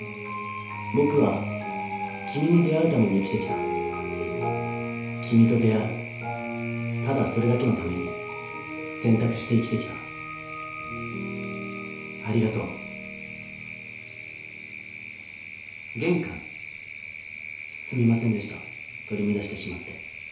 僕は君に出会うために生きて来た君と出会うただそれだけのために選択して生きて来たありがとうすみませんでした取り乱してしまって。